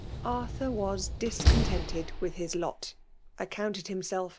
Arthiir was discontented with his lot ; accounted himself 18 FBMA.